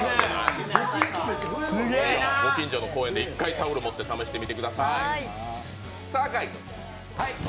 ご近所の公園で１回タオル持って試してみてください。